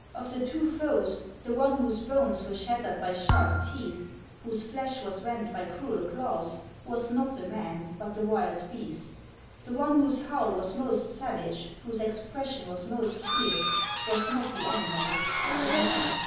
Of the two foes, the one whose bones were shattered by sharp teeth, whose llesh was rent by cruel claws, was not the man but the wild beast; the one whose howl was most savage, whose expression was most fierce, was not the animal but the man.